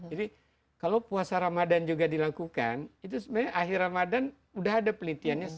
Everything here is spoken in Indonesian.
jadi kalau puasa ramadhan juga dilakukan itu sebenarnya akhir ramadhan udah ada pelitiannya